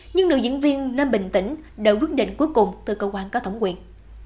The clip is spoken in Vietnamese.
nhưng nữ diễn viên nên bình tĩnh đợi quyết định cuối cùng từ cơ quan có thẩm quyền